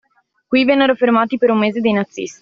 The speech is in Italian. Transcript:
Qui vennero fermati per un mese dai nazisti.